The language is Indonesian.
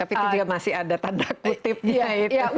tapi juga masih ada tanda kutipnya itu